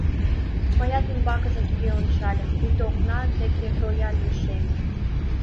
Мыят ӱмбакыже туге ончальым, пуйто окна деке рояль лишеме.